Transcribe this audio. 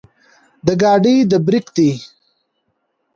د ګاډي د برېک دے